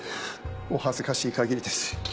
お恥ずかしい限りです。